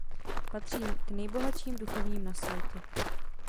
Patří k nejbohatším duchovním na světě.